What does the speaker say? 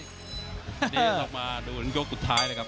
เดี๋ยวเรามาดูยกสุดท้ายเลยครับ